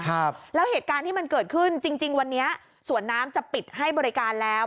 ครับแล้วเหตุการณ์ที่มันเกิดขึ้นจริงจริงวันนี้สวนน้ำจะปิดให้บริการแล้ว